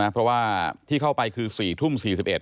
เพราะว่าที่เข้าไปคือ๔ทุ่ม๔๑